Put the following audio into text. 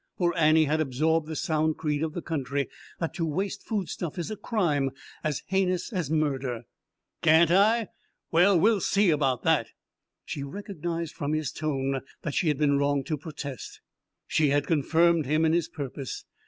For Annie had absorbed the sound creed of the country, that to waste foodstuff is a crime as heinous as murder. "Can't I? Well, we'll see about that!" She recognized from his tone that she had been wrong to protest; she had confirmed him in his purpose.